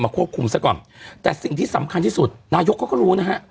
ควบคุมซะก่อนแต่สิ่งที่สำคัญที่สุดนายกเขาก็รู้นะฮะ